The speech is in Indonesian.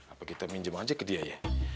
apa kita minjem aja ke dia ya